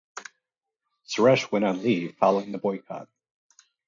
Suresh went on leave following the boycott.